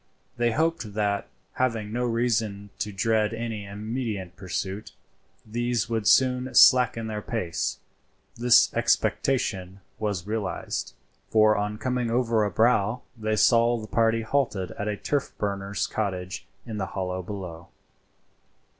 They hoped that, having no reason to dread any immediate pursuit, these would soon slacken their pace. This expectation was realized, for on coming over a brow they saw the party halted at a turf burner's cottage in the hollow below.